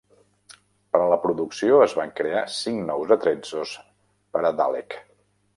Per a la producció es van crear cinc nous atrezzos per a Dalek.